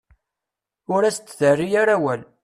Ur as-d-terri ara awal.